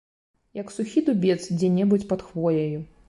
Як сухі дубец дзе-небудзь пад хвояю.